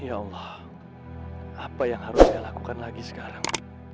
ya allah apa yang harus dia lakukan lagi sekarang